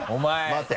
待て！